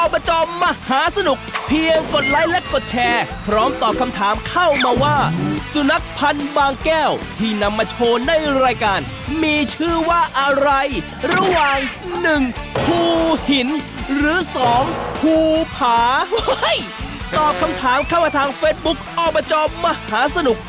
ภูผาตอบคำถามเข้ามาทางเฟซบุ๊กอ้อมประจอมมหาสนุก